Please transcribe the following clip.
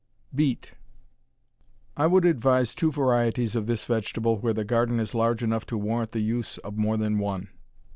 Beet I would advise two varieties of this vegetable where the garden is large enough to warrant the use of more than one.